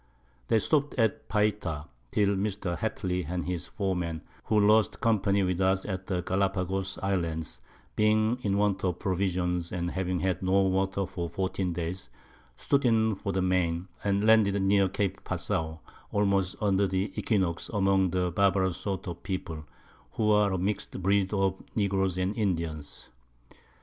They stop'd at Payta, till Mr. Hatley and his 4 Men, who lost Company with us at the Gallapagos Islands, being in want of Provisions, and having had no Water for 14 Days, stood in for the Main, and landed near Cape Passao, almost under the Equinox, among a barbarous sort of People, who are a mix'd Breed of Negroes and Indians.